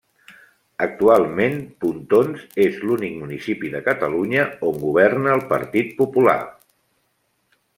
Actualment, Pontons és l'únic municipi de Catalunya on governa el Partit Popular.